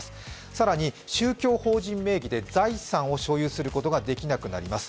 更に、宗教法人名義で財産を所有することができなくなります。